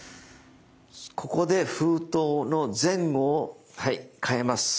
ここで封筒の前後をはい変えます。